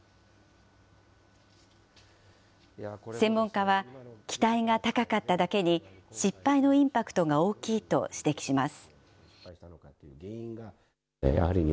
専門家は、期待が高かっただけに、失敗のインパクトが大きいと指摘します。